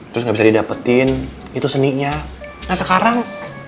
tidak bisa didapetin itu seninya sekarang